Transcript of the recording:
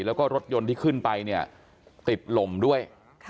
แล้วก็รถยนต์ที่ขึ้นไปติดหล่มด้วย